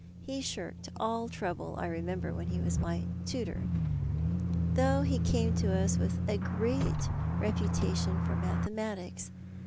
He shirked all troiible, I remember, when he was my tutor ; though he came to tis with a great reputation for mathematics.